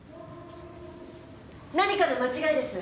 何かの間違いです。